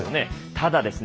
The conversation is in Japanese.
ただですね